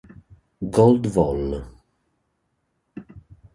Gold Vol.